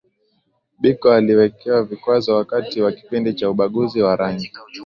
Biko aliwekewa vikwazo wakati wa kipindi cha ubaguzi wa rangi